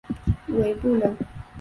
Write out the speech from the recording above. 韦陟人。